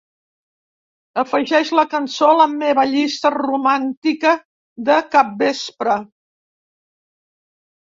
Afegeix la cançó a la meva llista romàntica de capvespre.